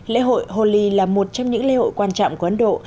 lễ hội holi là một trong những lễ hội quan trọng của ấn độ